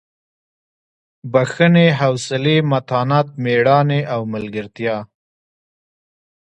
بښنې حوصلې متانت مېړانې او ملګرتیا.